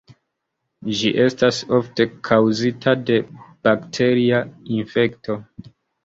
Ĝi estas ofte kaŭzita de bakteria infekto.